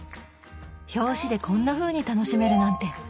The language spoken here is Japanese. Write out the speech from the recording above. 表紙でこんなふうに楽しめるなんて！